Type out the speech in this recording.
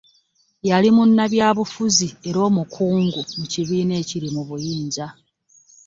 Yali munnabyabufuzi era omukungu mu kibiina ekiri mu buyinza.